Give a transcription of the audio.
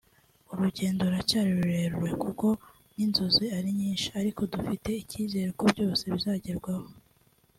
“Urugendo ruracyari rurerure kuko n’inzozi ari nyinshi ariko dufite icyizere ko byose bizagerwaho